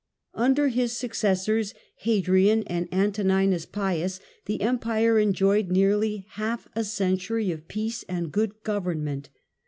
Under his successors, Hadrian and Antoninus Pius, the Empire enjoyed nearly half a century of peace and good govern ment*.